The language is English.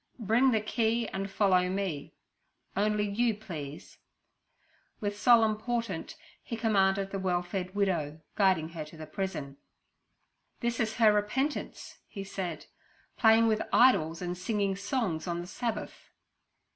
'Bring the key and follow me. Only you, please' with solemn portent he commanded the well fed widow, guiding her to the prison. 'This is her repentance' he said, 'playing with idols and singing songs on the Sabbath.'